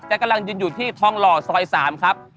กำลังยืนอยู่ที่ทองหล่อซอย๓ครับ